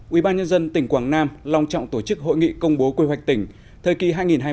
ubnd tỉnh quảng nam long trọng tổ chức hội nghị công bố quy hoạch tỉnh thời kỳ hai nghìn hai mươi một hai nghìn hai mươi năm